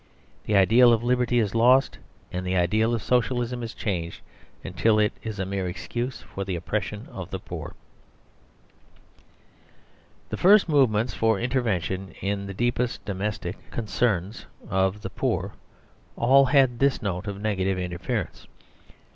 The ideal of liberty is lost, and the ideal of Socialism is changed, till it is a mere excuse for the oppression of the poor. The first movements for intervention in the deepest domestic concerns of the poor all had this note of negative interference.